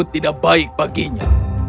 tidak baik baginya